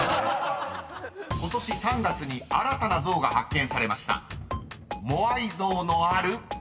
［ことし３月に新たな像が発見されました］